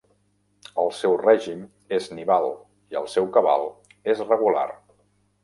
El seu règim és nival i el seu cabal és regular.